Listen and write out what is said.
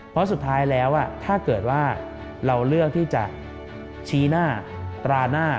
เพราะสุดท้ายแล้วถ้าเกิดว่าเราเลือกที่จะชี้หน้าตราหน้า